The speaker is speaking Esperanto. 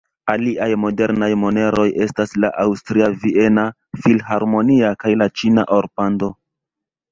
Aliaj modernaj moneroj estas la aŭstria Viena Filharmonia kaj la ĉina Or-Pando.